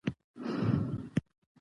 ګاز د افغانستان په طبیعت کې مهم رول لري.